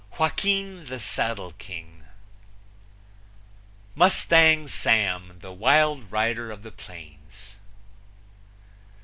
Joaquin, the Saddle King. Mustang Sam, the Wild Rider of the Plains.